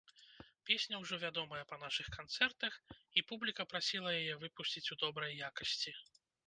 Песня ўжо вядомая па нашых канцэртах, і публіка прасіла яе выпусціць у добрай якасці.